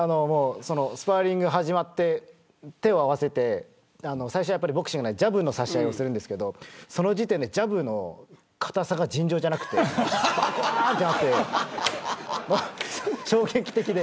スパーリング始まって手を合わせて最初ボクシングはジャブの差し合いをするんですけどその時点でジャブの硬さが尋常じゃなくて衝撃的で。